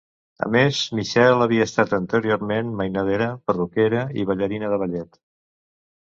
A més, Michelle havia estat anteriorment mainadera, perruquera i ballarina de ballet.